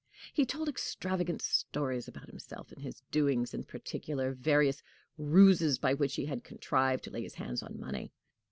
He told extravagant stories about himself and his doings, in particular various ruses by which he had contrived to lay his hands on money.